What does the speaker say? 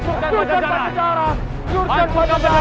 surga pada jarak